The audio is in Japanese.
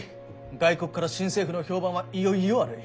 外国から新政府の評判はいよっいよ悪い。